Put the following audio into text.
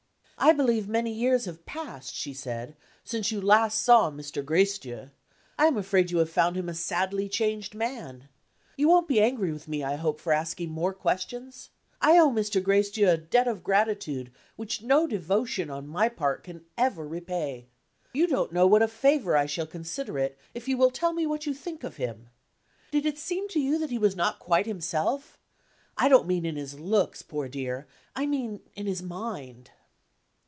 "I believe many years have passed," she said, "since you last saw Mr. Gracedieu. I am afraid you have found him a sadly changed man? You won't be angry with me, I hope, for asking more questions? I owe Mr. Gracedieu a debt of gratitude which no devotion, on my part, can ever repay. You don't know what a favor I shall consider it, if you will tell me what you think of him. Did it seem to you that he was not quite himself? I don't mean in his looks, poor dear I mean in his mind."